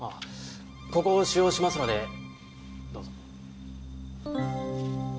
ここを使用しますのでどうぞ。